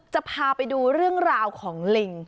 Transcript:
จะพาไปดูเรื่องราวของลิง